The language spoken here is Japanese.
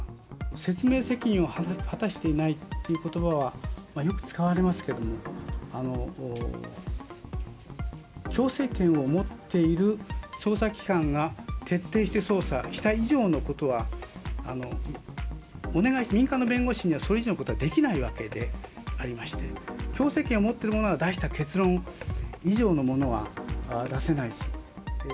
説明責任を果たしていないっていうことばはよく使われますけども、強制権を持っている捜査機関が徹底して捜査した以上のことは、民間の弁護士にはそれ以上のことはできないわけでありまして、強制権を持っているものが出した結論以上のものは出せないし。